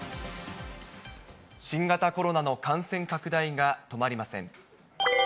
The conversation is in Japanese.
新型コロナの感染拡大が止まりません。